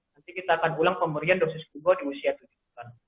nanti kita akan ulang pemberian dosis kedua di usia tujuh bulan